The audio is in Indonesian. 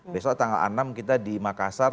besok tanggal enam kita di makassar